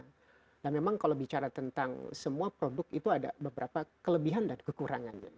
nah memang kalau bicara tentang semua produk itu ada beberapa kelebihan dan kekurangannya